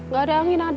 gak ada angin